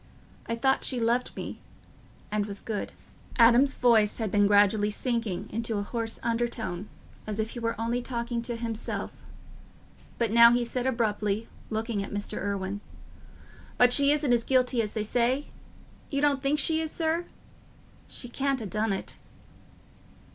I thought she loved me... and was good..." Adam's voice had been gradually sinking into a hoarse undertone, as if he were only talking to himself; but now he said abruptly, looking at Mr. Irwine, "But she isn't as guilty as they say? You don't think she is, sir? She can't ha' done it."